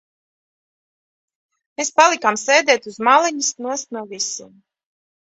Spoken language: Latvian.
Mēs palikām sēdēt uz maliņas nost no visiem.